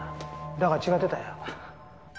だが違ってたよ。